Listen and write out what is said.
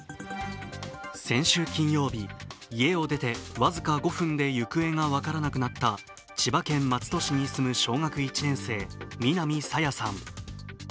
先週金曜日、家を出て僅か５分で行方が分からなくなった千葉県松戸市に住む小学１年生、南朝芽さん。